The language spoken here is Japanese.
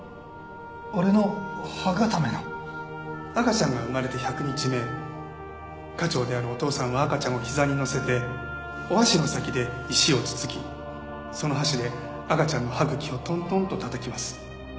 赤ちゃんが生まれて１００日目家長であるお父さんは赤ちゃんをひざにのせてお箸の先で石をつつきその箸で赤ちゃんの歯茎をトントンとたたきます。